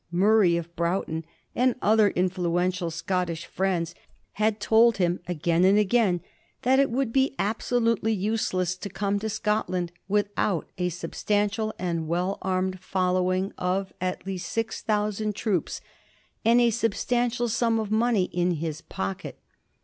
Murray of Broughton, and other influ ential Scottish friends, had told him, again and again, that it would be absolutely useless to come to Scotland without a substantial and well armed following of at least six thousand troops, and a substantial sum of money in his pocket.